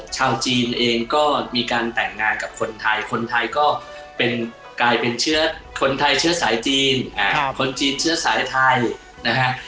ชาวจีนเองก็มีการแต่งงานกับคนไทยคนไทยก็กลายเป็นเชื้อคนไทยเชื้อสายจีนคนจีนเชื้อสายไทยนะฮะ